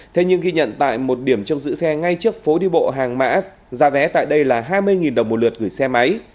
thế nhưng ghi nhận tại một điểm trong giữ xe ngay trước phố đi bộ hàng mã giá vé tại đây là hai mươi đồng một lượt gửi xe máy